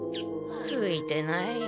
ついてない。